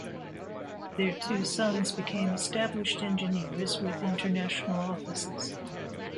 Their two sons became established engineers with international offices.